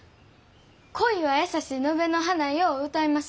「恋はやさし野辺の花よ」を歌います。